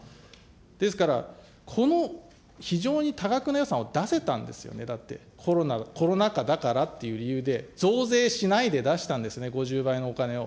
ですからこの非常に多額な予算を出せたんですよね、だって、コロナ禍だからっていう理由で、増税しないで出したんですね、５０倍のお金を。